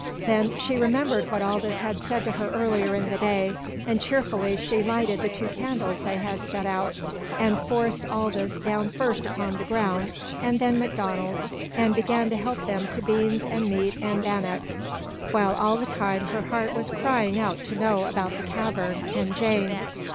Then she remembered what Aldous had said to her earlier in the day, and cheerfully she lighted the two candles they had set out, and forced Aldous down first upon the ground, and then MacDonald, and began to help them to beans and meat and bannock, while all the time her heart was crying out to know about the cavern and Jane.